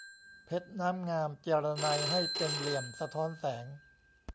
เพชรน้ำงาม เจียระไนให้เป็นเหลี่ยมสะท้อนแสง